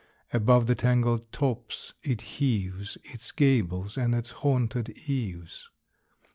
Above the tangled tops it heaves Its gables and its haunted eaves.